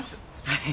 はい。